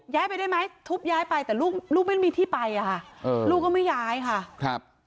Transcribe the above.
ย้ายไปได้ไหมทุบย้ายไปแต่ลูกไม่มีที่ไปอ่ะลูกก็ไม่ย้ายค่ะ